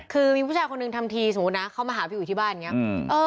คือมีผู้ชายคนหนึ่งทำทีสมมุตินะเข้ามาหาพี่อุ๋ยที่บ้านอย่างนี้